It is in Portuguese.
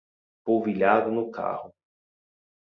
Polvilhado no carro